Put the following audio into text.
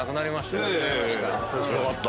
よかった。